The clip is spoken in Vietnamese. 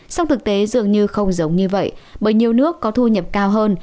song thực tế dường như không giống như vậy bởi nhiều nước có thu nhập cao hơn